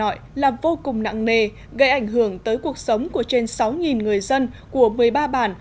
nội là vô cùng nặng nề gây ảnh hưởng tới cuộc sống của trên sáu người dân của một mươi ba bản